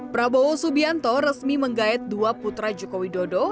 prabowo subianto resmi menggait dua putra jokowi dodo